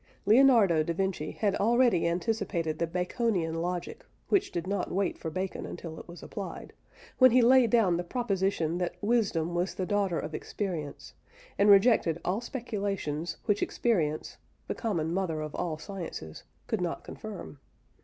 Leonardo da Vinci had already anticipated the Baconian logic (which did not wait for Bacon until it was applied) when he laid down the proposition that wisdom was the daughter of experience, and rejected all speculations which experience, the common mother of all sciences, could not confirm.